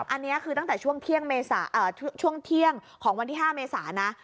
อันนี้คือตั้งแต่ช่วงเที่ยงของวันที่๕เมษานะ